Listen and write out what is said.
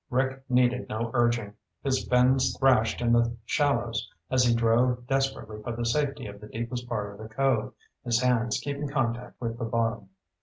Rick needed no urging. His fins thrashed in the shallows as he drove desperately for the safety of the deepest part of the cove, his hands keeping contact with the bottom.